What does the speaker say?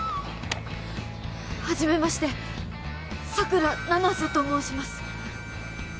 初めまして佐倉七瀬と申します